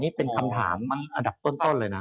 นี่เป็นคำถามอันดับต้นเลยนะ